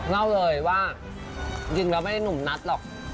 เล่าเลยว่าจริงแล้วไม่ได้หนุ่มนัดหรอก